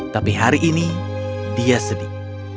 tapi hari ini dia sedih